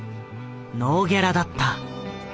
ノーギャラだった。